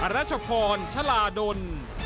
รัชพรชลาดล